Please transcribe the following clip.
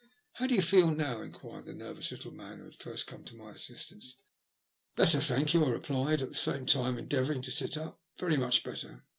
"How do you feel now?" enquired the nervous little man who had first come to my assistance. Better, thank you," I replied, at the same time endeavouring to sit up. *' Very much better.